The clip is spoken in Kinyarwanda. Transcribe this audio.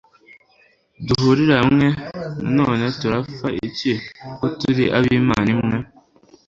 duhurire hamwe, none turapfa iki, ko turi ab'imana imwe